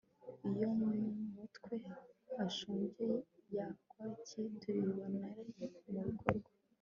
iyo mu mutwe hashoje ya bwaki tuyibonera mu bikorwa